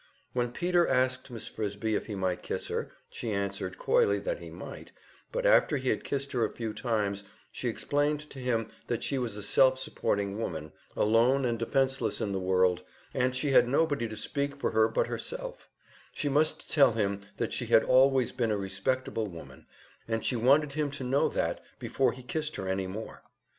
When Peter asked Miss Frisbie if he might kiss her, she answered coyly that he might, but after he had kissed her a few times she explained to him that she was a self supporting woman, alone and defenseless in the world, and she had nobody to speak for her but herself; she must tell him that she had always been a respectable woman, and that she wanted him to know that before he kissed her any more.